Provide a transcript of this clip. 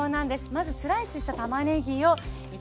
まずスライスしたたまねぎを炒めていきます。